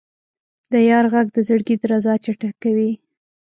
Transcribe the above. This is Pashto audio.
د یار ږغ د زړګي درزا چټکوي.